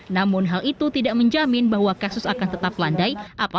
namun hal itu tidak menjamin bahwa kasus antivirus ini akan menyebabkan penyakit covid sembilan belas